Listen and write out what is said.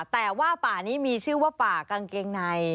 แต่ว่าป่านี้มีชื่อว่าป่ากางเกงใน